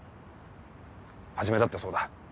始だってそうだ。